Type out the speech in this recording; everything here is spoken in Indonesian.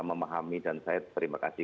memahami dan saya terima kasih